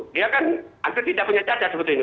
dia kan anggap tidak punya cacat sebetulnya